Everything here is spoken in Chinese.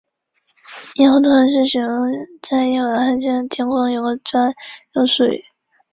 天主教里耶卡总教区是罗马天主教以克罗地亚西北部里耶卡为中心的一个教省总教区。